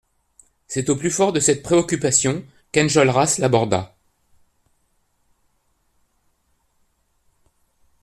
C'est au plus fort de cette préoccupation qu'Enjolras l'aborda.